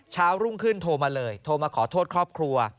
รุ่งขึ้นโทรมาเลยโทรมาขอโทษครอบครัว